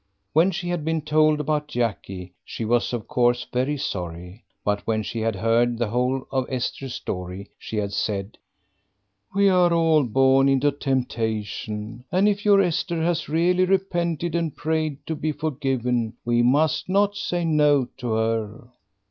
When she had been told about Jackie she was of course very sorry; but when she had heard the whole of Esther's story she had said, "We are all born into temptation, and if your Esther has really repented and prayed to be forgiven, we must not say no to her."